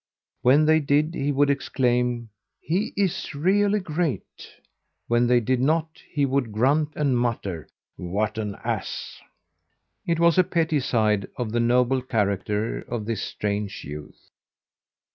When they did he would exclaim: "He is really great!" When they did not he would grunt and mutter, "What an ass!" It was a petty side of the noble character of this strange youth.